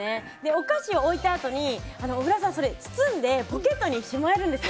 お菓子を置いたあとに包んでポケットにしまえるんです。